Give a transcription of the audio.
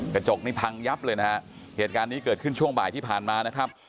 กระจกนี้พังยับเลยนะฮะเหตุการณ์นี้เกิดขึ้นช่วงบ่ายที่ผ่านมานะครับ